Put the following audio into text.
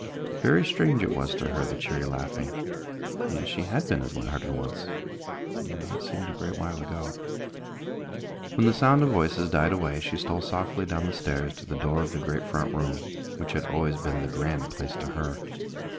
Very strange it was to her the cheery laughing, yet she had been as light hearted once, but it seemed a great while ago. When the sound of voices died away, she stole softly down the stairs to the door of the great front room, which had always been the grand place to her.